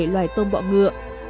năm mươi bảy loài tôm bọ ngựa